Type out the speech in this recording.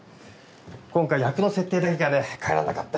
今回役の設定だけがね変えられなかった。